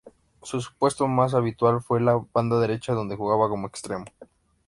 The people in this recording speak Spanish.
Su puesto más habitual fue la banda derecha, donde jugaba como extremo.